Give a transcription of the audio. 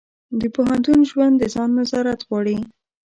د پوهنتون ژوند د ځان نظارت غواړي.